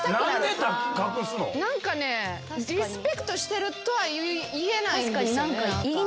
何かねリスペクトしてるとは言えない。